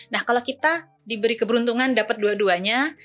nah kalau kita diberi keberuntungan dapat dua duanya